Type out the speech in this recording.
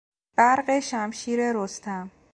برق شمشیر رستم